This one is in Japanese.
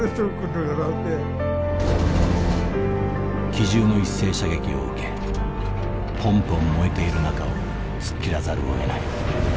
「機銃の一斉射撃を受けぽんぽん燃えている中を突っ切らざるをえない。